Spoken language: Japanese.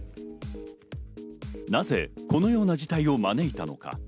なぜこのような事態を招いたのか。